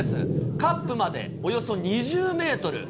カップまでおよそ２０メートル。